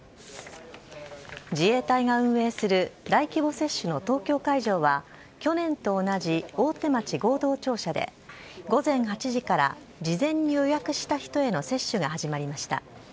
自衛隊が運営する大規模接種の東京会場は、去年と同じ大手町合同庁舎で、午前８時から事前に予約した人への接種が始まりました。